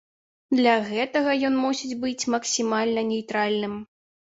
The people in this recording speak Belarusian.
Для гэтага ён мусіць быць максімальна нейтральным.